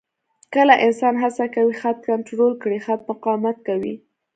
کله انسان هڅه کوي خط کنټرول کړي، خط مقاومت کوي.